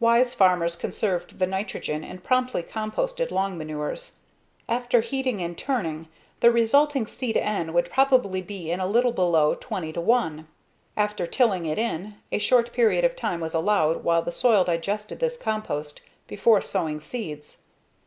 Wise farmers conserved the nitrogen and promptly composted long manures. After heating and turning the resulting C/N would probably be in a little below 20:1. After tilling it in, a short period of time was allowed while the soil digested this compost before sowing seeds.